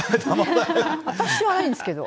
私はないですけど。